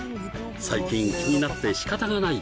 最近気になって仕方がない